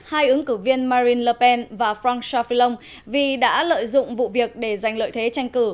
hai ứng cử viên marine le pen và franck chafilon vì đã lợi dụng vụ việc để giành lợi thế tranh cử